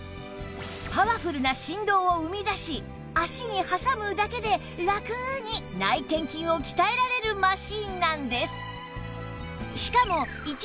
パワフルな振動を生み出し足に挟むだけでラクに内転筋を鍛えられるマシンなんです